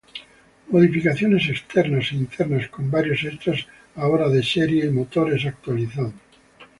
Modificaciones externas e internas, con varios extras ahora de serie, y motores actualizados.